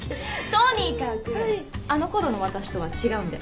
とにかくあのころの私とは違うんで。